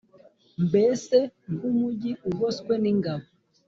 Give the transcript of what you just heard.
mbese nk’umugi ugoswe n’ingabo.